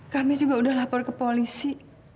kami juga sudah lapor ke polisi